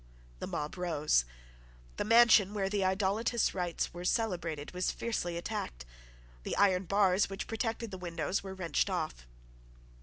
The mob rose. The mansion where the idolatrous rites were celebrated was fiercely attacked. The iron bars which protected the windows were wrenched off.